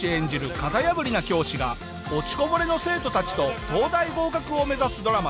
型破りな教師が落ちこぼれの生徒たちと東大合格を目指すドラマで。